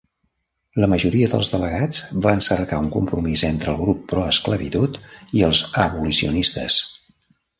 La majoria dels delegats van cercar un compromís entre el grup proesclavitud i els abolicionistes.